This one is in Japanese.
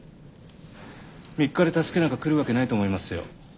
３日で助けなんか来るわけないと思いますよ。